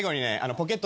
ポケット？